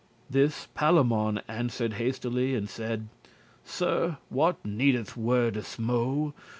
<35> This Palamon answered hastily, And saide: "Sir, what needeth wordes mo'?